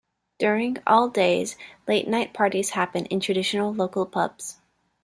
During all days late night parties happen in traditional local pubs.